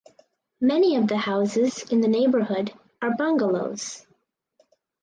Many of the houses in the neighborhood are bungalows.